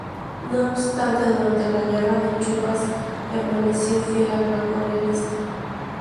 No obstante, durante la Guerra de Chupas, permaneció fiel al bando realista.